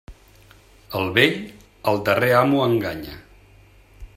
El vell, al darrer amo enganya.